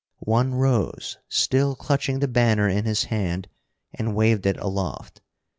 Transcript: One rose, still clutching the banner in his hand and waved it aloft.